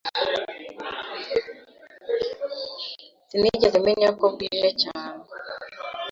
Sinigeze menya ko bwije cyane